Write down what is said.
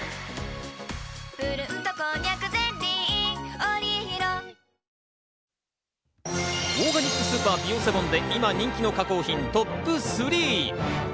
オーガニックスーパー・ビオセボンで今人気の加工品トップスリー。